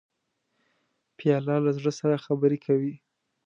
پیاله له زړه سره خبرې کوي.